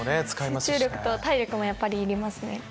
集中力と体力もやっぱりいりますね。